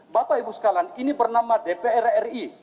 bapak ibu sekalian ini bernama dpr ri